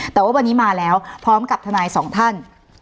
แต่ว่าวันนี้มาแล้วพร้อมกับทนายสองท่าน